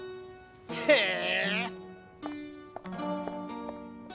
へえ！